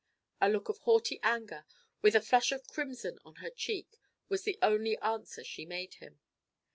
A look of haughty anger, with a flush of crimson on her cheek, was the only answer she made him.